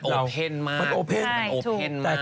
แล้วมันโอเป็นมากมันโอเป็นมันโอเป็นมาก